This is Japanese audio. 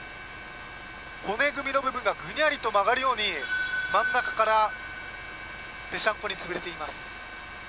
骨組みの部分がぐにゃりと曲がるように真ん中からぺしゃんこに潰れています。